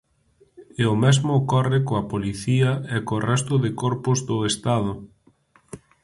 E o mesmo ocorre coa Policía e co resto de corpos do Estado.